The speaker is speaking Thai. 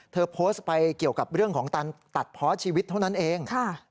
เธอโพสต์ไปเกี่ยวกับเรื่องของตัดเพาะชีวิตเท่านั้นเอง